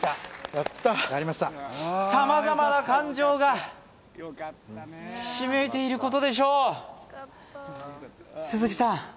やったやった様々な感情がひしめいていることでしょう鈴木さん